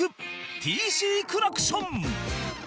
ＴＣ クラクション